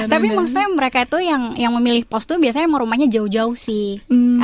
tapi maksudnya mereka itu yang memilih pos itu biasanya rumahnya jauh jauh sih